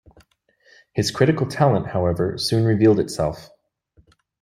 His critical talent, however, soon revealed itself.